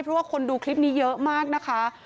เพราะว่าคนดูคลิปนี้เยอะมากนะคะ